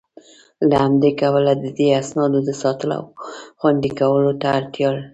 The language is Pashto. له همدي کبله د دې اسنادو د ساتلو او خوندي کولو ته اړتيا